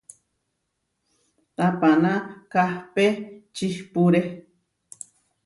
Tapaná kahpé čipúre.